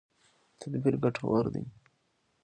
تدبیر ګټور دی.